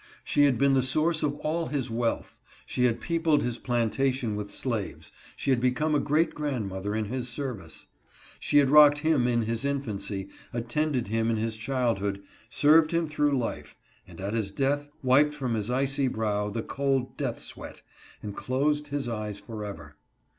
She had been the source of all his wealth ; she had peopled his plantation with slaves; she had become a great grandmother in his service. She had rocked him in his infancy, attended him in his childhood, served him through life, and at his death wiped from his icy brow the cold death sweat, and closed his eyes forever.